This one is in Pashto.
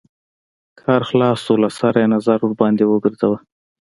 کار خلاص شو له سره يې نظر ورباندې وګرځوه.